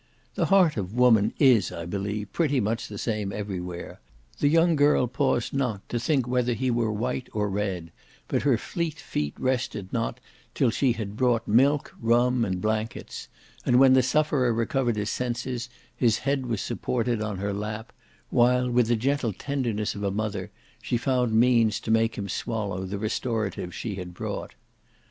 The heart of woman is, I believe, pretty much the same every where; the young girl paused not to think whether he were white or red, but her fleet feet rested not till she had brought milk, rum, and blankets, and when the sufferer recovered his senses, his head was supported on her lap, while, with the gentle tenderness of a mother, she found means to make him swallow the restoratives she had brought.